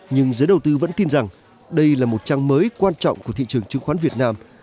nhưng giới đầu tư vẫn tin rằng đây là một trang mới quan trọng của thị trường chứng khoán việt nam